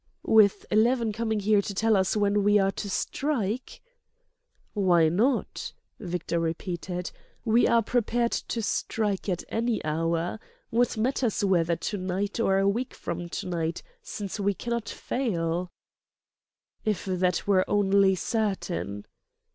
"With Eleven coming here to tell us when we are to strike?" "Why not?" Victor repeated. "We are prepared to strike at any hour. What matters whether to night or a week from to night—since we cannot fail?" "If that were only certain!"